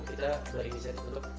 kita beri bisnis untuk